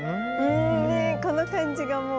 この感じがもう。